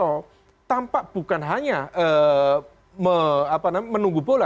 pak hasto tampak bukan hanya menunggu bola